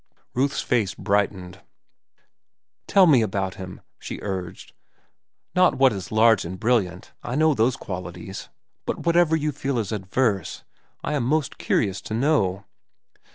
Ruth's face brightened. "Tell me about him," she urged. "Not what is large and brilliant—I know those qualities; but whatever you feel is adverse. I am most curious to know."